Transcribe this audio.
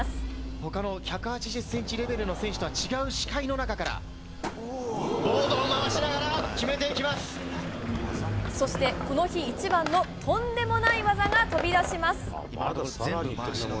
ほかの１８０センチレベルの選手とは違う視界の中から、ボードを回しながら、決めていきそして、この日、一番のとんでもない技が飛び出します。